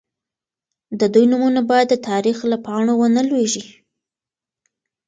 د دوی نومونه باید د تاریخ له پاڼو ونه لوېږي.